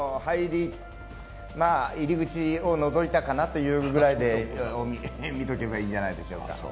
入り口をのぞいたかなというぐらいで見ておけばいいんじゃないでしょうか。